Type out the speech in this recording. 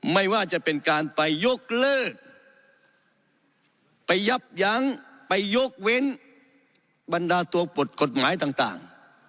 ไม่ว่าจะเป็นการไปยกเลิกไปยับยั้งไปยกเว้นบรรดาตัวบทกฎหมายต่าง